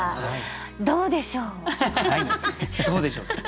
どうでしょう？